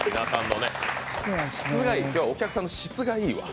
今日はお客さんの質がいいわ。